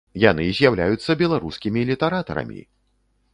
Яны з'яўляюцца беларускімі літаратарамі!